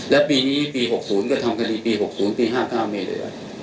แล้วปีนี้ปี๖๐ก็ทำคดีปี๖๐ปี๕๙ไม่เหลือ